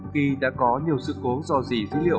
khi đã có nhiều sự cố do dì dữ liệu